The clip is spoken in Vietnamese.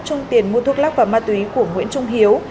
chung tiền mua thuốc lắc và ma túy của nguyễn trung hiếu